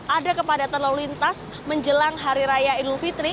ada kepada terlalu lintas menjelang hari raya idul fitri